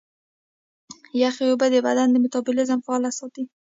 یخي اوبه د بدن میتابولیزم فعاله ساتي.